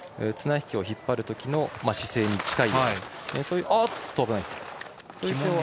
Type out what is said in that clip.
綱引きを引っ張るときの姿勢に近いような。